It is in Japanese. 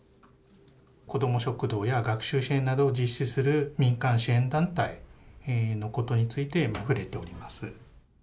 子ども食堂や学習支援などを実施する民間支援団体のことについて触れております。